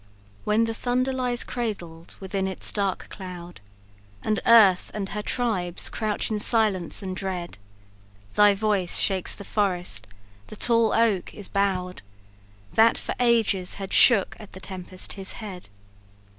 "When the thunder lies cradled within its dark cloud, And earth and her tribes crouch in silence and dread, Thy voice shakes the forest, the tall oak is bowed, That for ages had shook at the tempest its head.